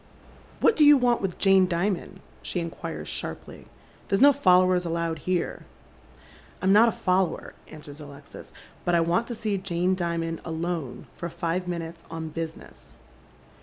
" What do you want with Jane Dimond ?" she inquires sharply. •* There's no followers allowed here." " I'm not a follower," answers Alexis, " but I want to see Jane Dimond alone for five minutes, on business."